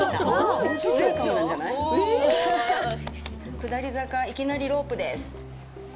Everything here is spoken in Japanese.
下り坂、いきなりロープです。